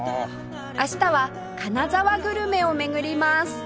明日は金沢グルメを巡ります